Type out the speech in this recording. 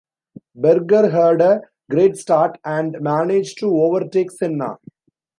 Berger had a great start and managed to overtake Senna.